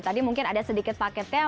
tadi mungkin ada sedikit paketnya